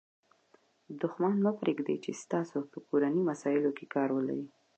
دوښمن مه پرېږدئ، چي ستاسي په کورنۍ مسائلو کښي کار ولري.